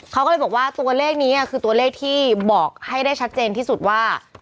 เขาก็เลยบอกว่าตัวเลขนี้คือตัวเลขที่บอกให้ได้ชัดเจนที่สุดว่า